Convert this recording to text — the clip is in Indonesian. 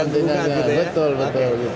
tidak boleh digantungkan gitu ya